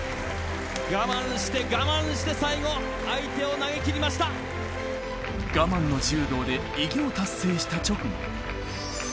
我慢して、我慢して、最後、相手を投げ切り我慢の柔道で偉業達成した直後。